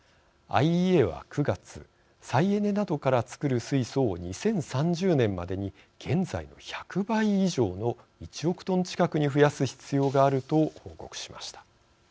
ＩＥＡは９月再エネなどから作る水素を２０３０年までに現在の１００倍以上の１億トン近くに増やす必要があると報告しました。